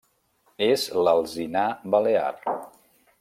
És l'alzinar balear.